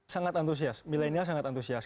sangat antusiasme millennials sangat antusiasme